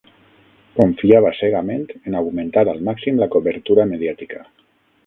confiava cegament en augmentar al màxim la cobertura mediàtica.